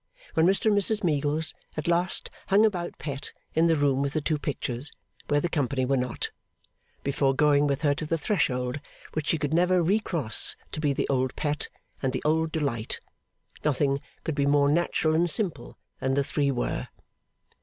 When Mr and Mrs Meagles at last hung about Pet in the room with the two pictures (where the company were not), before going with her to the threshold which she could never recross to be the old Pet and the old delight, nothing could be more natural and simple than the three were.